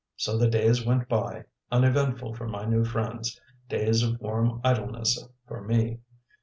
So the days went by, uneventful for my new friends, days of warm idleness for me.